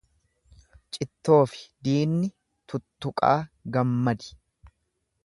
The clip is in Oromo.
Cittoofi diinni tuttuqaa gammadi.